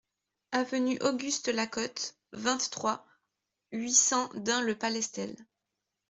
Avenue Auguste Lacote, vingt-trois, huit cents Dun-le-Palestel